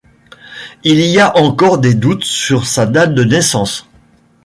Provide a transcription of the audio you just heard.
Il y a encore des doutes sur sa date de naissance.